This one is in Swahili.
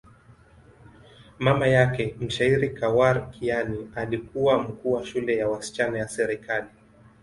Mama yake, mshairi Khawar Kiani, alikuwa mkuu wa shule ya wasichana ya serikali.